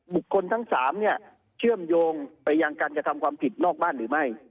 บุคคลทั้ง๓เนี่ยเชื่อมโยงไปยังการกระทำความผิดนอกบ้านหรือไม่